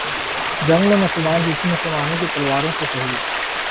جنگ میں مسلمان دوسرے مسلمانوں کی تلواروں سے شہید